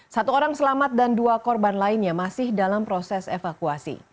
satu orang selamat dan dua korban lainnya masih dalam proses evakuasi